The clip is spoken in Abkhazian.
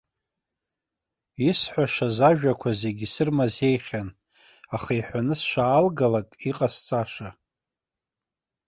Исҳәашаз ажәақәа зегьы сырмазеихьан, аха иҳәаны сшаалгалак иҟасҵаша.